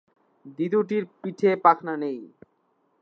দ্বিতীয়টির পিঠে পাখনা নেই।